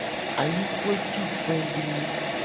Ayikue tu kpedru.